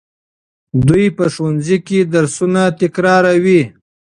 دوی په ښوونځي کې درسونه تکراروي.